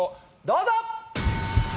どうぞ！